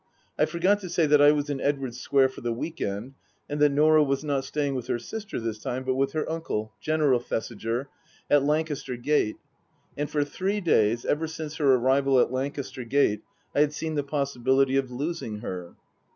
I forgot to say that I was in Edwardes Square for the week end and that Norah was not staying with her sister this time, but with her uncle, General Thesiger, at Lancaster Gate. And for three days, ever since her arrival at Lancaster Gate, I had seen the possibility of losing her.